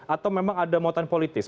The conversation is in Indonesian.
atau memang ada muatan politis